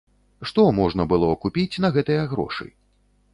Што можна было купіць на гэтыя грошы?